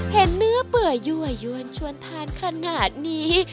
เห็นเนื้อเปื่อยั่วยวนชวนทานขนาดนี้